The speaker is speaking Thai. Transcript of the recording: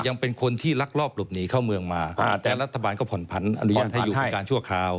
นอกหลบหนีเข้าเมืองมาและรัฐบาลก็ผ่อนพันธุ์อนุญาตให้อยู่ประการชั่วคราว